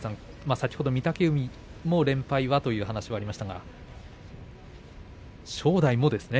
先ほど御嶽海に連敗はという話がありましたけれども正代もですよね。